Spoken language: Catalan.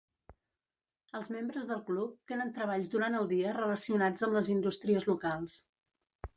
Els membres del club tenen treballs durant el dia relacionats amb les indústries locals.